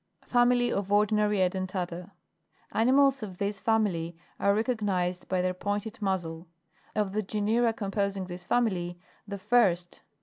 FAMILY OF ORDINARY EDENTATA. 5. Animals of this family are recognised by their pointed muzzle. Of the genera composing this family, the 6. 1st.